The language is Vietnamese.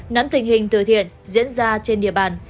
nắm tình hình từ thiện diễn ra trên địa bàn